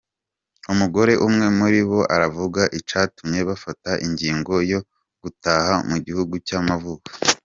Umugore umwe muribo aravuga icatumye bafata ingingo yo gutaha mu gihugu c'amavuko.